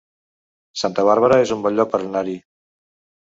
Santa Bàrbara es un bon lloc per anar-hi